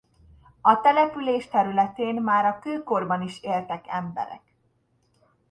A település területén már a kőkorban is éltek emberek.